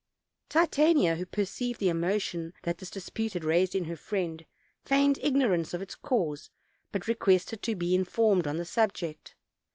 Titania, who perceived the emotion that this dispute had raised in her friend, feigned ignorance of its cause, but requested to be informed on the subject.